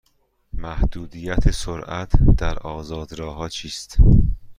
محدودیت سرعت در آزاد راه ها چیست؟